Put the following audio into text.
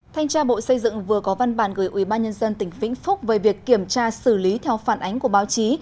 thanh tra bộ xây dựng vừa có văn bản gửi ubnd tỉnh vĩnh phúc về việc kiểm tra xử lý theo phản ánh của báo chí